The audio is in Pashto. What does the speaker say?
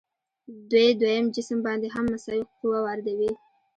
دوی دویم جسم باندې هم مساوي قوه واردوي.